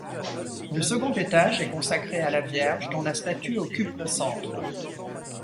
Le second étage est consacré à la Vierge dont la statue occupe le centre.